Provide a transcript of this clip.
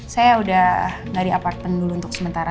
saya udah dari apartemen dulu untuk sementara